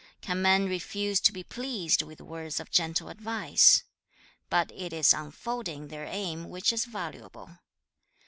Can men refuse to be pleased with words of gentle advice? But it is unfolding their aim which is valuable.